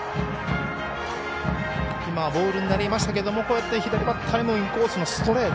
今はボールになりましたがこうやって左バッターへもインコースのストレート。